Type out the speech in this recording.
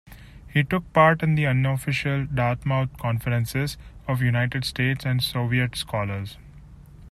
He took part in the unofficial Dartmouth Conferences of United States and Soviet scholars.